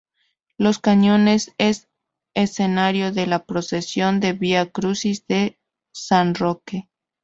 Los Cañones es escenario de la procesión del Via Crucis de San Roque.